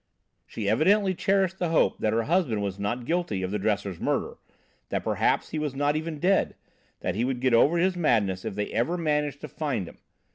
"She evidently cherished the hope that her husband was not guilty of the dresser's murder, that perhaps he was not even dead, that he would get over his madness if ever they managed to find him.